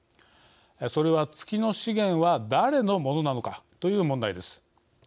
それは月の資源は誰のものなのかという問題です。